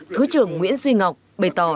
thứ trưởng nguyễn duy ngọc bày tỏ